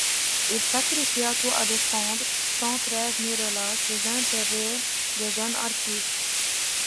Il sacrifia tout à défendre, sans trêve ni relâche, les intérêts des jeunes artistes.